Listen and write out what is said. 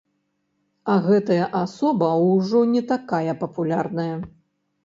А гэтая асоба ўжо не такая папулярная.